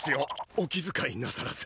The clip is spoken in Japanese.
お気遣いなさらず！